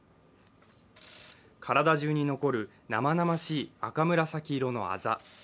体じゅうに残る生々しい赤紫色のあざ。